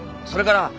それから。